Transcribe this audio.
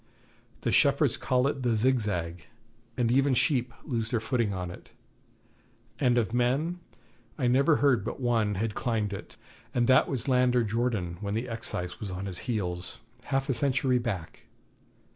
The shepherds call it the Zigzag, and even sheep lose their footing on it; and of men I never heard but one had climbed it, and that was lander Jordan, when the Excise was on his heels, half a century back.